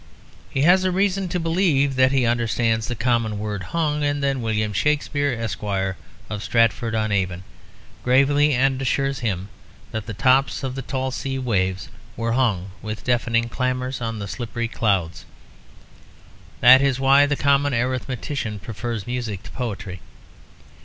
He has reason to believe that he understands the common word "hung"; and then William Shakespeare, Esquire, of Stratford on Avon, gravely assures him that the tops of the tall sea waves were hung with deafening clamours on the slippery clouds. That is why the common arithmetician prefers music to poetry.